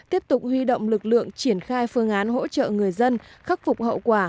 tiếp tục huy động lực lượng triển khai phương án hỗ trợ người dân khắc phục hậu quả